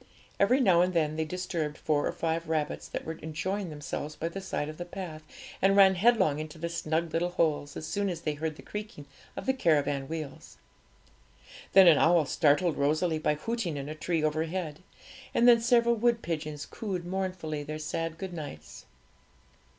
Every now and then they disturbed four or five rabbits that were enjoying themselves by the side of the path, and ran headlong into their snug little holes as soon as they heard the creaking of the caravan wheels. Then an owl startled Rosalie by hooting in a tree overhead, and then several wood pigeons cooed mournfully their sad good nights.